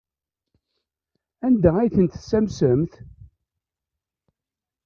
Anda ay ten-tessamsemt?